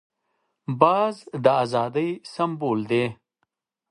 باز د آزادۍ سمبول دی